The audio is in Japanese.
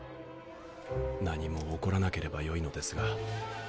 何も起こらなければよいのですが。